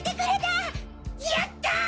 やった！